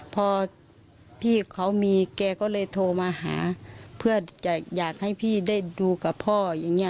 พอพี่เขามีแกก็เลยโทรมาหาเพื่อจะอยากให้พี่ได้ดูกับพ่ออย่างนี้